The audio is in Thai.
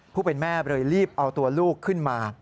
ผู้เป็นแม่เลยรีบเอาตัวลูกขึ้นมา